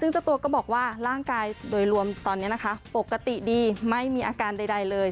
ซึ่งเจ้าตัวก็บอกว่าร่างกายโดยรวมตอนนี้นะคะปกติดีไม่มีอาการใดเลย